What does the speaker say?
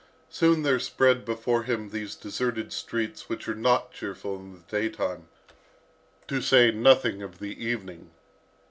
Soon there spread before him these deserted streets which are not cheerful in the daytime, to say nothing of the evening.